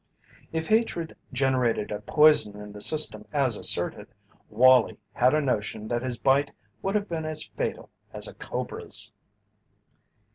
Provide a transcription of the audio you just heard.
If hatred generated a poison in the system as asserted, Wallie had a notion that his bite would have been as fatal as a cobra's.